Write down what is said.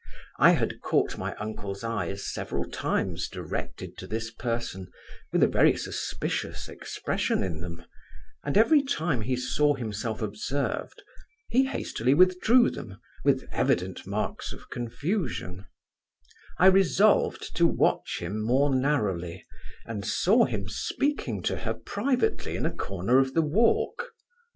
I had caught my uncle's eyes several times directed to this person, with a very suspicious expression in them, and every time he saw himself observed, he hastily withdrew them, with evident marks of confusion I resolved to watch him more narrowly, and saw him speaking to her privately in a corner of the walk.